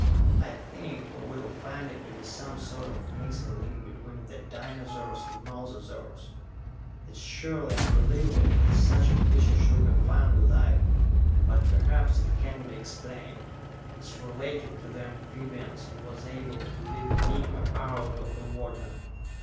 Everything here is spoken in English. "I think we will find it to be some sort of missing link between the dinosaurs and mososaurs. It is surely unbelievable that such a creature should be found alive; but perhaps it can be explained. It is related to the amphibians and was able to live in or out of the water.